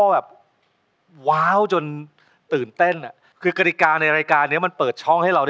เพราะฉันรักคนั้นไม่ไหว